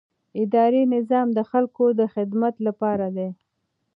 اداري نظام د خلکو د خدمت لپاره دی.